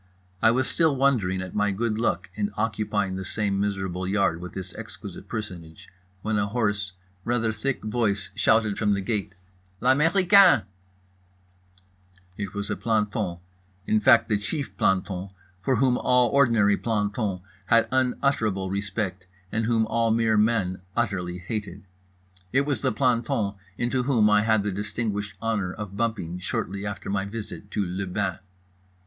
I was still wondering at my good luck in occupying the same miserable yard with this exquisite personage when a hoarse, rather thick voice shouted from the gate: "L'américain!" It was a planton, in fact the chief planton for whom all ordinary plantons had unutterable respect and whom all mere men unutterably hated. It was the planton into whom I had had the distinguished honour of bumping shortly after my visit to le bain.